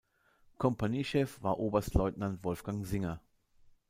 Kompaniechef war Oberstleutnant Wolfgang Singer.